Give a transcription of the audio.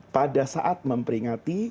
pada saat memperingati